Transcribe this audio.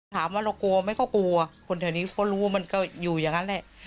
ถามว่าเรากลัวไหมก็กลัวคนแถวนี้เขารู้มันก็อยู่อย่างนั้นแหละ